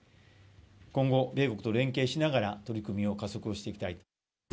今後、米国と連携しながら、取り組みを加速していきたいと。